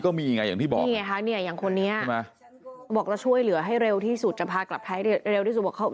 ก็มีไงอย่างที่บอกนี่ไงคะเนี่ยอย่างคนนี้บอกจะช่วยเหลือให้เร็วที่สุดจะพากลับไทยเร็วที่สุดบอก